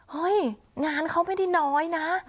เฮ้ยงานเขาไม่ได้น้อยนะ